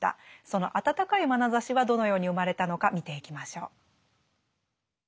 その温かいまなざしはどのように生まれたのか見ていきましょう。